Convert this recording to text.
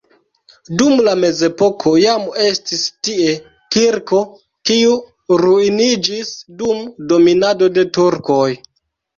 Dum la mezepoko jam estis tie kirko, kiu ruiniĝis dum dominado de turkoj.